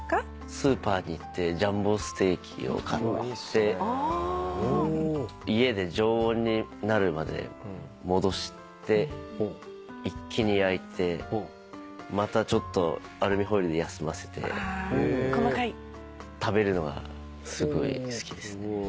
スーパーに行ってジャンボステーキを買って家で常温になるまで戻して一気に焼いてまたちょっとアルミホイルで休ませて食べるのがすごい好きですね。